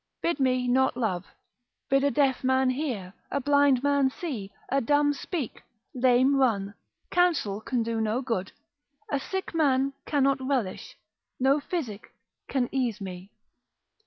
Bid me not love, bid a deaf man hear, a blind man see, a dumb speak, lame run, counsel can do no good, a sick man cannot relish, no physic can ease me.